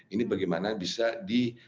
ini bagaimana bisa dikonsumsi